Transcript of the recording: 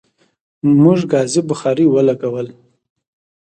موږ ګازی بخاری ولګوله